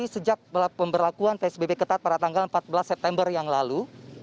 sejak pemberlakuan psbb ketat pada tanggal empat belas september yang lalu